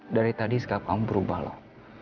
dari tadi sikap kamu berubah lah